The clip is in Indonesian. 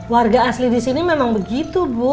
warga asli disini memang begitu bu